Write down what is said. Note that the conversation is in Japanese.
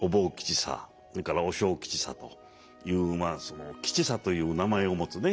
それから和尚吉三という「吉三」という名前を持つね